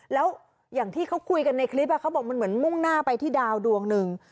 แล้วอย่างที่เขาคุยกันในคลิปเขาบอกมันเหมือนมุ่งหน้าไปที่ดาวดวงหนึ่ง